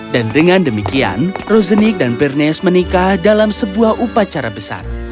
dan dengan demikian rosenick dan bernes menikah dalam sebuah upacara besar